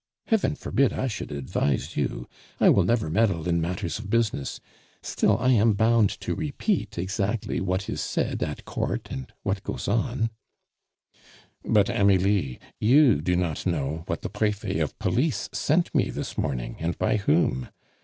Heaven forbid I should advise you; I will never meddle in matters of business; still, I am bound to repeat exactly what is said at Court and what goes on " "But, Amelie, you do not know what the Prefet of police sent me this morning, and by whom?